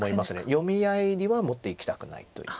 読み合いには持っていきたくないといった。